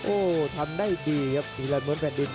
โอ้ทำได้ดีครับพีรันเหมือนแผ่นดิน